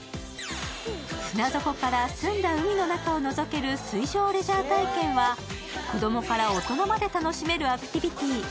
船底から澄んだ海の中をのぞける水上レジャー体験は子供から大人まで楽しめるアクティビティー。